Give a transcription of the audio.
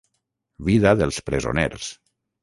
Vida dels presoners.